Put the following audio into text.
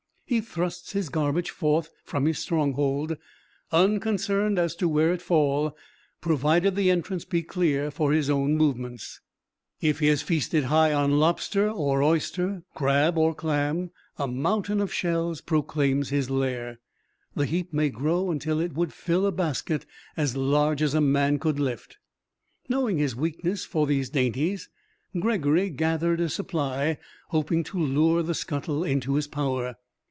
He thrusts his garbage forth from his stronghold, unconcerned as to where it fall, provided the entrance be clear for his own movements. If he has feasted high on lobster or oyster, crab or clam, a mountain of shells proclaims his lair. The heap may grow until it would fill a basket as large as a man could lift. Knowing his weakness for these dainties, Gregory gathered a supply, hoping to lure the scuttle into his power.